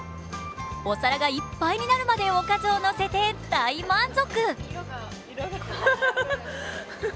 お皿がいっぱいになるまでおかずをのせて大満足。